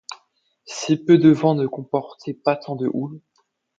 Si peu de vent ne comportait pas tant de houle.